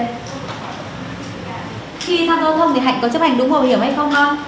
khi đi sang giao thông thì hạnh có chấp hành đúng hồi hiểm hay không không